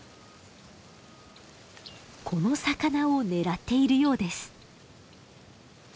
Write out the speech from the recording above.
この魚を狙っているようです。